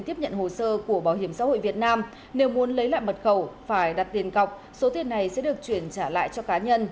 tiếp nhận hồ sơ của bảo hiểm xã hội việt nam nếu muốn lấy lại mật khẩu phải đặt tiền cọc số tiền này sẽ được chuyển trả lại cho cá nhân